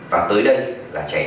và tới đây là trẻ lớn